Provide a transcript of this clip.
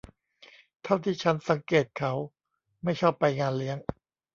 เท่าที่ฉันสังเกตเขาไม่ชอบไปงานเลี้ยง